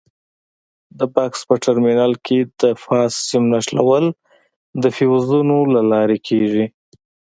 د بکس په ټرمینل کې د فاز سیم نښلول د فیوزونو له لارې کېږي.